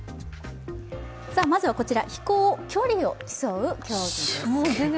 まずは飛行距離を競う競技です。